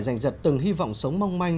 dành dật từng hy vọng sống mong manh